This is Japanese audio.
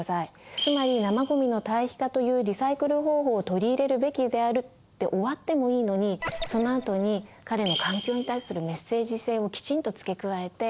「つまり生ごみの堆肥化というリサイクル方法をとりいれるべきである」で終わってもいいのにそのあとに彼の環境に対するメッセージ性をきちんと付け加えて。